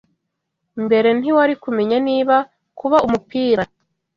mbere ntiwari kumenya niba kuba umupira